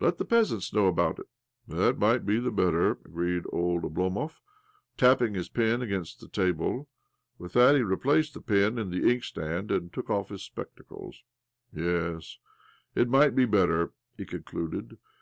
Let the peasants know about it." '' That migfd be better," agreed old Oblo mov, tapping his pen against the table. With that he replaced the pen in the ink stand, and took off his spectacles. "Yes, it mi^ht be better," he concluded.